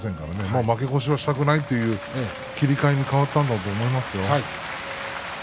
もう負け越しはしたくないという切り替えに変わったんだと思います。